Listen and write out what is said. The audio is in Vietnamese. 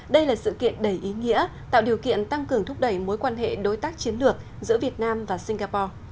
đây là sự kiện đầy ý nghĩa tạo điều kiện tăng cường thúc đẩy mối quan hệ đối tác chiến lược giữa việt nam và singapore